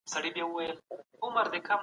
نوي مهارتونه په سمه توګه زده کړئ.